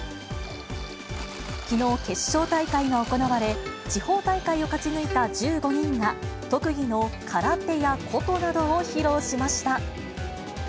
きのう、決勝大会が行われ、地方大会を勝ち抜いた１５人が、特技の空手や琴などを披露しました。